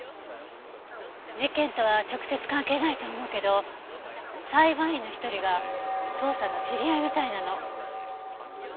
事件とは直接関係ないと思うけど裁判員の一人が父さんの知り合いみたいなの。